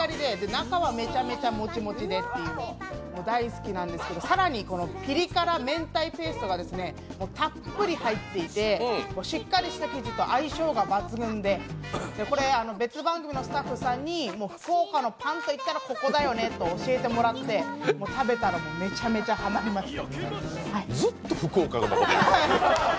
中はめちゃめちゃモチモチで大好きなんですけど更にピリ辛明太ペーストがたっぷり入っていてしっかりした生地と相性抜群で、別番組のスタッフさんに福岡のパンといったらここだよねと教えてもらって、食べたらめちゃめちゃハマりました。